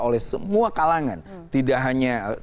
oleh semua kalangan tidak hanya